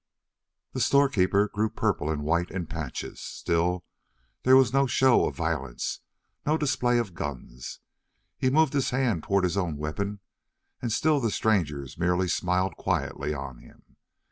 The storekeeper grew purple and white in patches. Still there was no show of violence, no display of guns; he moved his hand toward his own weapon, and still the strangers merely smiled quietly on him.